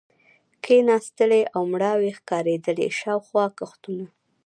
کېناستلې او مړاوې ښکارېدلې، شاوخوا کښتونه.